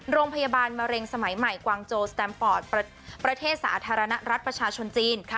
โรงพยาบาลมะเร็งสมัยใหม่กวางโจสแตมปอร์ตประเทศสาธารณรัฐประชาชนจีน